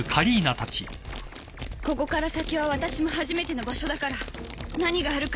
ここから先は私も初めての場所だから何があるか。